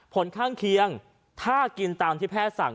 ผลข้างเคียงถ้ากินตามที่แพทย์สั่ง